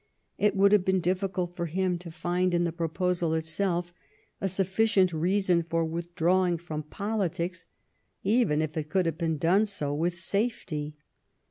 It would have been difficult for him to find in the proposal itself a sufficient reason for withdrawing from politics even if he could have done so with safety.